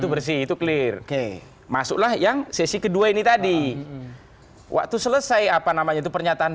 bersih itu clear oke masuklah yang sesi kedua ini tadi waktu selesai apa namanya itu pernyataan